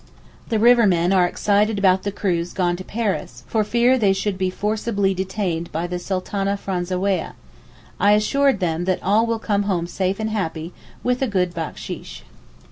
The river men are excited about the crews gone to Paris, for fear they should be forcibly detained by the Sultaneh Franzaweeh, I assured them that they will all come home safe and happy, with a good backsheesh.